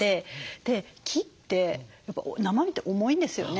で木って生木って重いんですよね。